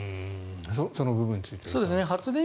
その部分については。